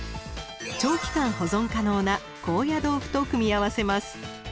長期間保存可能な高野豆腐と組み合わせます。